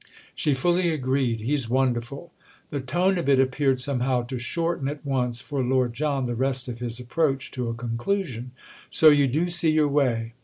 She fully agreed. "He's wonderful." The tone of it appeared somehow to shorten at once for Lord John the rest of his approach to a conclusion. "So you do see your way?"